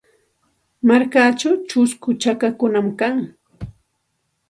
Markachaw chusku chakakunam kan.